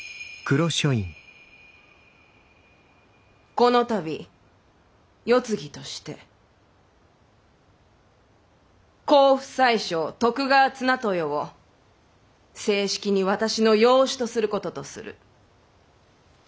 この度世継ぎとして甲府宰相徳川綱豊を正式に私の養子とすることとする。